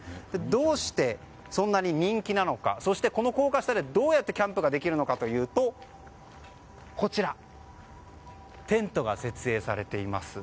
どうしてそんなに人気なのかそして、ここ高架下でどうやってキャンプができるのかというとこちら、テントが設営されています。